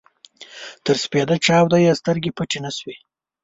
تر سپېده چاوده يې سترګې پټې نه شوې.